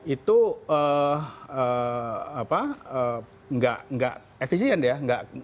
itu apa nggak nggak efisien ya